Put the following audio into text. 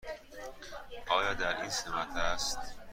آیا در این سمت است؟